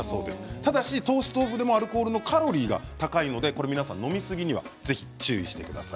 ただ糖質オフでもアルコールのカロリーが高いので皆さん、飲みすぎには注意してください。